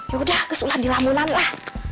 ya udah kesulitan di lamunan lah